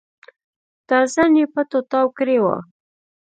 تر ځان يې پټو تاو کړی و.